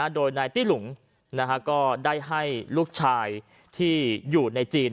โดยนายตี้หลุงก็ได้ให้ลูกชายที่อยู่ในจีน